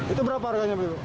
itu berapa harganya